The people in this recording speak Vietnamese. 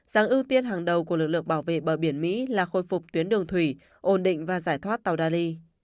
rằng ưu tiên hàng đầu của lực lượng bảo vệ bờ biển mỹ là khôi phục tuyến đường thủy ổn định và giải thoát tàu dali